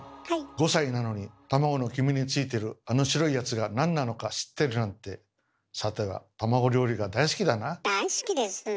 ５歳なのに卵の黄身についてるあの白いやつがなんなのか知ってるなんてさては大好きです。